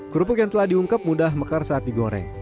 kerupuk yang telah diungkep mudah mekar saat digoreng